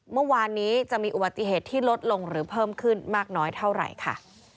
เมื่อวานนี้จะมีอุบัติเหตุที่ลดลงหรือเพิ่มขึ้นมากน้อยเท่าไหร่ค่ะ